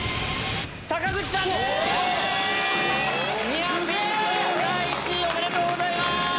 ニアピン賞第１位おめでとうございます！